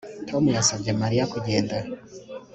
Tom yasabye Mariya kugenda